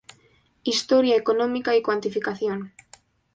História económica y cuantificación.